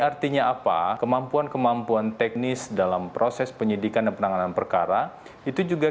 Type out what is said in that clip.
artinya apa kemampuan kemampuan teknis dalam proses penyidikan dan penanganan perkara itu juga